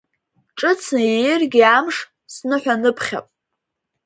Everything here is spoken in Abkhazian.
Ҿыцны ииргьы амш, сныҳәаныԥхьап…